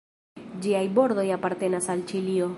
Ĝiaj bordoj apartenas al Ĉilio.